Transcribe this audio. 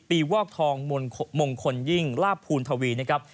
วอกทองมงคลยิ่งลาบภูณทวีนะครับ